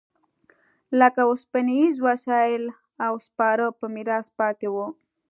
لکه اوسپنیز وسایل او سپاره په میراث پاتې و